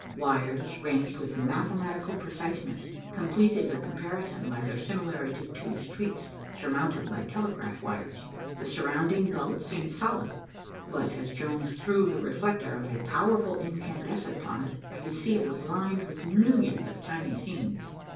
Wires, ranged with mathematical preciseness, completed the comparison by their similarity to streets surmounted by telegraph wires. The surrounding belt seemed solid, but, as Jones threw the reflector of a powerful incandescent on it, I could see it was lined with millions of tiny seams.